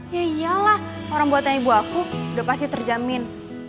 ya iyalah orang buatan ibu aku udah pasti terjamin